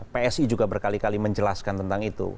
psi juga berkali kali menjelaskan tentang itu